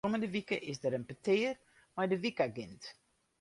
Kommende wike is der in petear mei de wykagint.